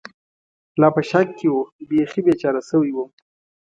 لا په شک کې و، بېخي بېچاره شوی ووم.